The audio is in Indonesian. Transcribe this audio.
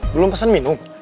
belum pesen minum